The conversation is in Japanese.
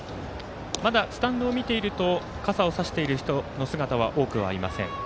まだスタンドを見ていると傘を差している人の姿は多くはありません。